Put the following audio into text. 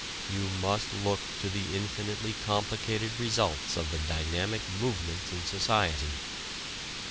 you must look to the infinitely complicated results of the dynamic movements in society.